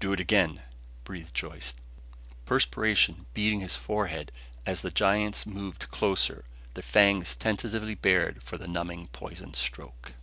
"Do it again," breathed Joyce, perspiration beading his forehead as the giants moved closed, their fangs tentatively bared for the numbing poison stroke.